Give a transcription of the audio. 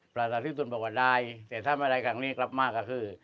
ประสาทที่ทุ่นบอกว่าได้แต่ถ้าไม่ได้เท่านี้กลับมากก็คือ